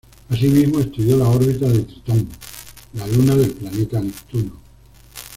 Asimismo, estudió la órbita de Tritón, la luna del planeta Neptuno.